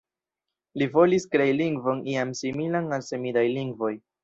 Li volis krei lingvon ian similan al semidaj lingvoj.